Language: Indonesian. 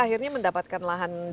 akhirnya mendapatkan lahan di sini